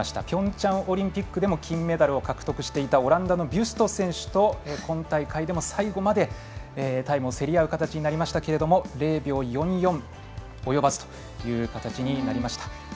ピョンチャンオリンピックでも金メダルを獲得していたオランダのビュスト選手と今大会でも最後までタイムを競り合う形になりましたけれども０秒４４及ばずという形になりました。